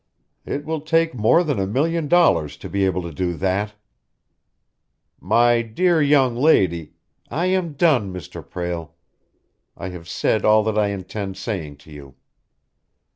It will take more than a million dollars to be able to do that." "My dear young lady " "I am done, Mr. Prale. I have said all that I intend saying to you."